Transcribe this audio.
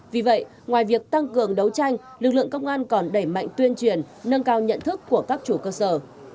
vì vậy ngoài việc tăng cường đấu tranh lực lượng công an còn đẩy mạnh tuyên truyền nâng cao nhận thức của các chủ cơ sở